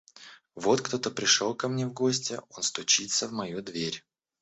Вот кто-то пришел ко мне в гости; он стучится в мою дверь.